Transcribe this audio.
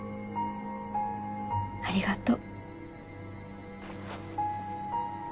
ありがとう。